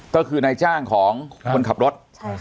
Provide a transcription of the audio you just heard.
ก็คือนายจ้างของคนขับรถ